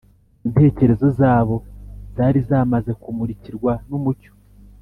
intekerezo zabo zari zamaze kumurikirwa n’umucyo